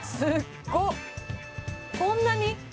こんなに？